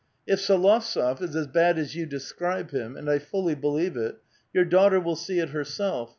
If S61ovtsof is as bad as you describe him, — and I fully believe it, —• your daughter will see it herself.